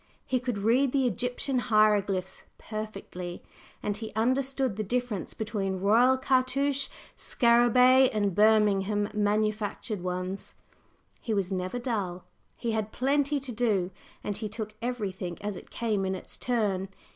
He could read the Egyptian hieroglyphs perfectly, and he understood the difference between "royal cartouche" scarabei and Birmingham manufactured ones. He was never dull; he had plenty to do; and he took everything as it came in its turn.